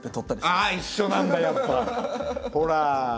あっ一緒なんだやっぱほら。